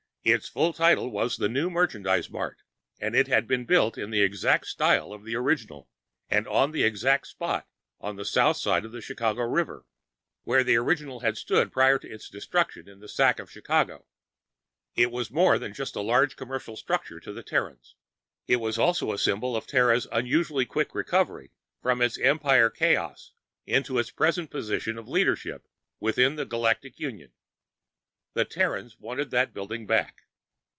Its full title was "The New Merchandise Mart" and it had been built in the exact style of the original and on the exact spot on the south side of the Chicago River where the original had stood prior to its destruction in the Sack of Chicago. It was more than just a large commercial structure to the Terrans. It was also a symbol of Terra's unusually quick recovery from its Empire Chaos into its present position of leadership within the Galactic Union. The Terrans wanted that building back.